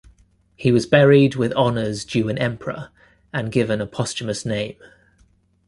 He was buried with honours due an emperor and given a posthumous name.